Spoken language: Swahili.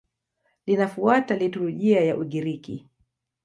Linafuata liturujia ya Ugiriki.